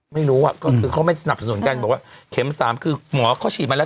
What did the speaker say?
ไม่รู้อ่ะก็คือเขาไม่สนับสนุนกันบอกว่าเข็มสามคือหมอเขาฉีดมาแล้ว